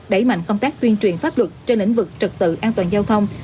đẩy mạnh công tác tuyên truyền pháp luật trên lĩnh vực trực tự an toàn giao thông